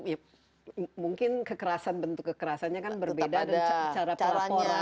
ya mungkin bentuk kekerasan berbeda dan cara pelaporannya